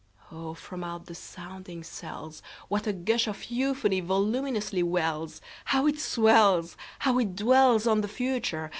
Oh, from out the sounding cells, What a gush of euphony voluminously wells! How it swells! How it dwellsOn the Future!